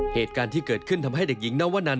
เหตุการณ์ที่เกิดขึ้นทำให้เด็กหญิงนวนัน